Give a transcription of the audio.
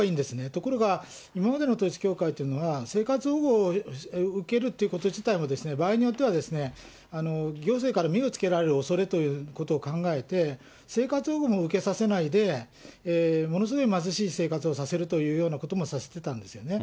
ところが、今までの統一教会というのは、生活保護を受けるってこと自体も、場合によっては、行政から目をつけられるおそれということを考えて、生活保護も受けさせないで、ものすごい貧しい生活をさせるというようなこともさせてたんですよね。